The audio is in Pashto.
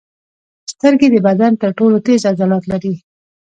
سترګې د بدن تر ټولو تېز عضلات لري.